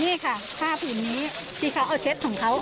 นี่ค่ะผ้าผืนนี้ที่เขาเอาเช็ดของเขา